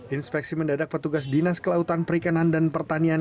inspeksi mendadak petugas dinas kelautan perikanan dan pertanian